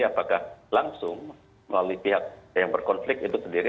apakah langsung melalui pihak yang berkonflik itu sendiri